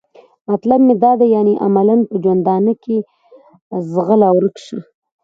مطلب مې دا دی یعنې عملاً په ژوندانه کې؟ ځغله ورک شه.